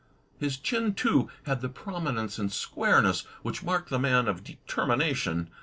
His chin, too, had the prominence and squareness which mark the man of determination.